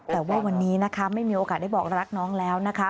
แต่ว่าวันนี้นะคะไม่มีโอกาสได้บอกรักน้องแล้วนะคะ